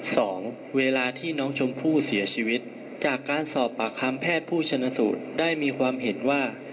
สองเวลาที่น้องชมพู่เสียชีวิตจากการสอบปากคำแพทย์ผู้ชนสูตรได้มีความเห็นว่า